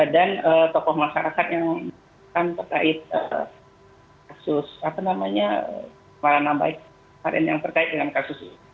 dan tokoh masyarakat yang terkait kasus apa namanya kemarahan nama baik yang terkait dengan kasus ini